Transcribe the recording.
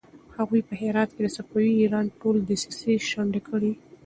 هغوی په هرات کې د صفوي ایران ټولې دسيسې شنډې کړې.